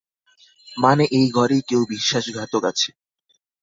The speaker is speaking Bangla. মানে এই ঘরেই কেউ বিশ্বাসঘাতক আছে।